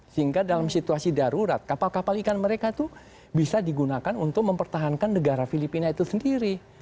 sehingga dalam situasi darurat kapal kapal ikan mereka itu bisa digunakan untuk mempertahankan negara filipina itu sendiri